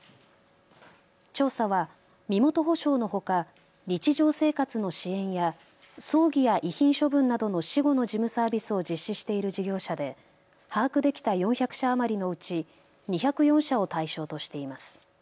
調査は身元保証のほか日常生活の支援や葬儀や遺品処分などの死後の事務サービスを実施している事業者で把握できた４００社余りのうち２０４社を対象としています。